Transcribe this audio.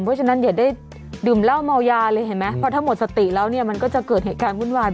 เพราะฉะนั้นอย่าได้ดื่มเหล้าเมายาเลยเห็นไหมเพราะถ้าหมดสติแล้วเนี่ยมันก็จะเกิดเหตุการณ์วุ่นวาย